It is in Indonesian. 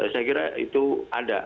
saya kira itu ada